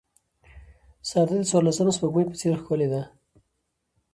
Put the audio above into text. سارده د څوارلسم سپوږمۍ په څېر ښکلې ده.